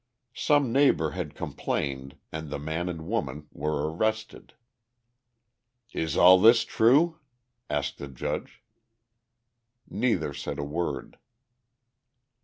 Some neighbour had complained and the man and woman were arrested. "Is this all true?" asked the judge. Neither said a word.